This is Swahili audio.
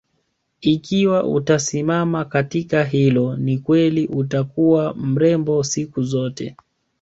Ikiwa utasimama katika hilo ni kweli utakuwa mrembo siku zote